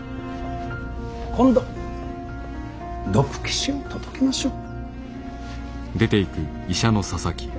今度毒消しを届けましょう。